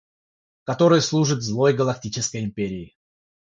который служит злой Галактической Империи.